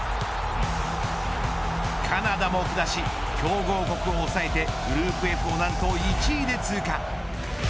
カナダも下し、強豪国を抑えてグループＦをなんと１位で通過。